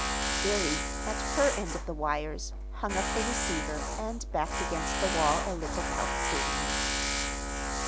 Billy, at her end of the wires, hung up the receiver and backed against the wall a little palpitatingly.